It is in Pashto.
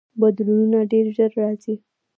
بدلونونه ډیر ژر راځي.